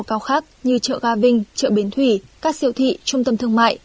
cao khác như chợ ga vinh chợ bến thủy các siêu thị trung tâm thương mại